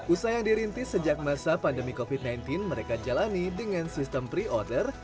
usaha yang dirintis sejak masa pandemi covid sembilan belas mereka jalani dengan sistem pre order